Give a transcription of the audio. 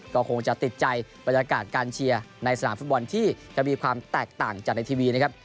ก็คงจะติดใจบรรยากาศการเชียร์ในสนามฟุตบอลที่จะมีความแตกต่างจากในทีวีนะครับ